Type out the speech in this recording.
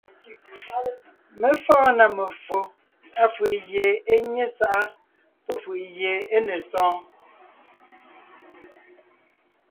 Mé fɔ́ɔn na meffo, áfʉ̀ʼ gie é nyé sáʼa pɔ́ fʉ̀ʼʉ gie é ne sɔɔn: